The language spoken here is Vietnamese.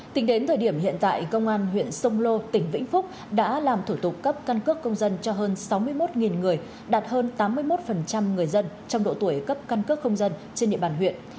tính đến thời điểm hiện tại công an huyện sông lô tỉnh vĩnh phúc đã làm thủ tục cấp căn cước công dân cho hơn sáu mươi một người đạt hơn tám mươi một người dân trong độ tuổi cấp căn cước công dân trên địa bàn huyện